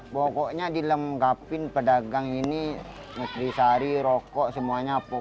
pokoknya dilengkapi pedagang ini ngetrisari rokok semuanya